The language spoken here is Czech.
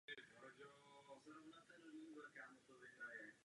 Co je zde cílem?